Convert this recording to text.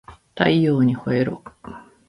太陽にほえろ